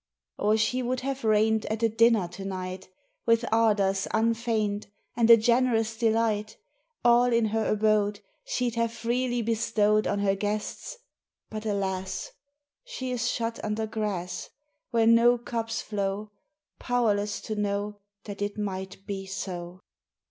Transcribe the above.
Or she would have reigned At a dinner to night With ardours unfeigned, And a generous delight; All in her abode She'd have freely bestowed On her guests ... But alas, She is shut under grass Where no cups flow, Powerless to know That it might be so.